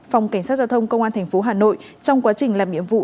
phòng cảnh sát giao thông công an thành phố hà nội trong quá trình làm nhiệm vụ